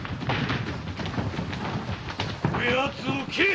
こやつを斬れ！